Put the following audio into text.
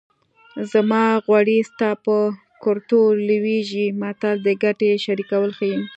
زما غوړي ستا په کورتو لوېږي متل د ګټې شریکول ښيي